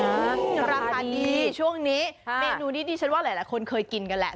ราคาดีช่วงนี้เมนูนี้ดิฉันว่าหลายคนเคยกินกันแหละ